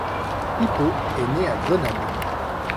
Pipó est né à Grenade.